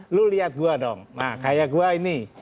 lu lihat gua dong kayak gua ini